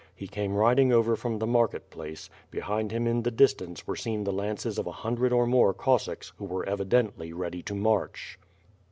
He came riding over from the market place; behind him in the distance were seen the lances of a hundred or more Cos sacks, who were evidently ready to march.